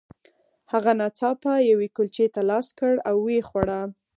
هغه ناڅاپه یوې کلچې ته لاس کړ او ویې خوړه